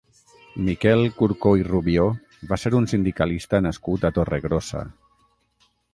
Miquel Curcó i Rubió va ser un sindicalista nascut a Torregrossa.